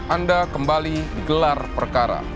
anda kembali di gelar perkara